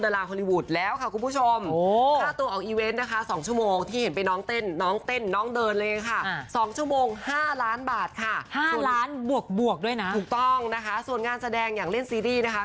๒๐ล้านบวกด้วยนะครับถูกต้องนะคะส่วนงานแสดงอย่างเล่นซีรีส์นะคะ